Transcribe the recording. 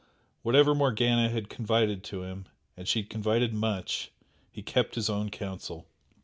Whatever Morgana had confided to him (and she had confided much) he kept his own counsel.